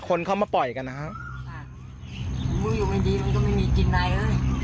คนเข้ามาปล่อยกันนะฮะค่ะมึงอยู่ไม่ดีมึงก็ไม่มีกินอะไรเลย